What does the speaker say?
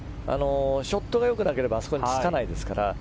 ショットが良くなければあそこにつかないですから。